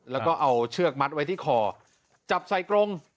แล้วก็เอาเชือกมัดไว้ที่คอจับใส่กรง